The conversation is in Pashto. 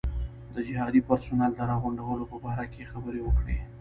د جهادي پرسونل د راغونډولو په باره کې یې خبرې وکړې.